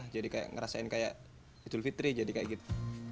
jadi kayak ngerasain kayak hidul fitri jadi kayak gitu